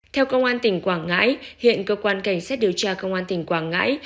theo công an tỉnh quảng ngãi hiện cơ quan cảnh sát điều tra công an tỉnh quảng ngãi